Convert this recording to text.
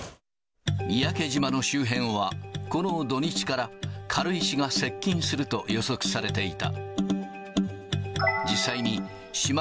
三宅島の周辺は、この土日から軽石が接近すると予測されていた。